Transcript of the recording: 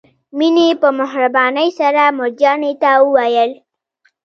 مينې په مهربانۍ سره مور جانې ته وويل.